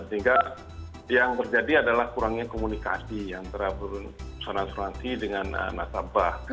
sehingga yang terjadi adalah kurangnya komunikasi antara perusahaan asuransi dengan nasabah